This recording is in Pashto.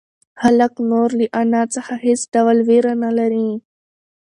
هلک نور له انا څخه هېڅ ډول وېره نهلري.